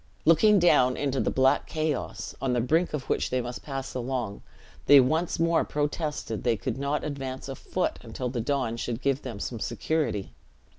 Looking down into the black chaos, on the brink of which they must pass along, they once more protested they could not advance a foot, until the dawn should give them some security.